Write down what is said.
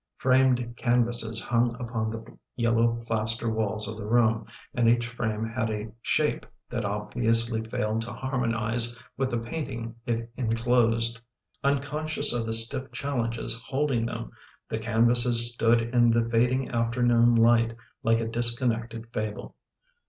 Framed canvases hung upon the yellow plaster walls of the room and each frame had a shape that obviously failed to harmonize with the paint ing it enclosed. Unconscious of the stiff challenges holding them, the canvases stood in the fading afternoon light, like a disconnected fable.